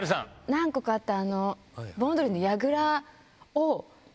何個かあった。